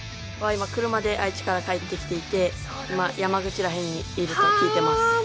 車で愛知から帰って来ていて、今、山口ら辺にいると聞いています